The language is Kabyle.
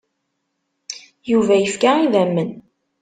Yuba yefka idammen.